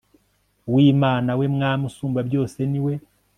w'imana; we mwami usumba byose niwe